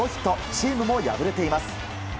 チームも敗れています。